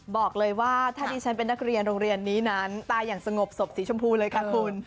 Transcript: บอกเลยว่าถ้าดิฉันเป็นนักเรียนโรงเรียนนี้นั้นตายอย่างสงบศพสีชมพูเลยค่ะคุณ